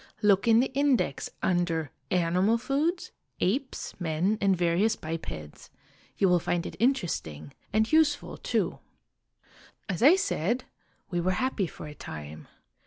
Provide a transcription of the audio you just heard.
Look in the index under ' Animal Foods : Apes, Men, and various Bipeds.' You will find it interesting and useful too. "As I said, we were happy for a time.